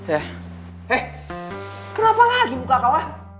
eh kenapa lagi muka kau